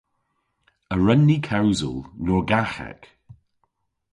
A wren ni kewsel Norgaghek?